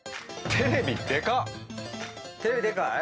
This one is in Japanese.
テレビでかい？